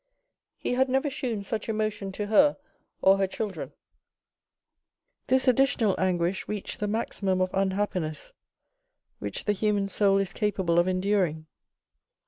He had never shewn such emotion to her or her children. This additional anguish reached the maximum of unhappiness which the human soul is capable of enduring.